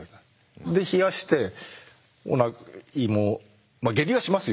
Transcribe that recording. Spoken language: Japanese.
で冷やして胃も下痢はしますよ